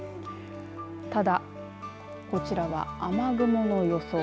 ただこちらは雨雲の予想。